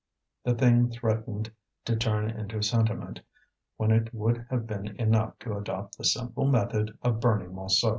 The thing threatened to turn into sentiment when it would have been enough to adopt the simple method of burning Montsou.